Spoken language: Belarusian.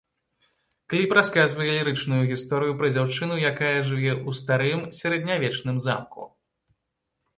Кліп расказвае лірычную гісторыю пра дзяўчыну, якая жыве ў старым сярэднявечным замку.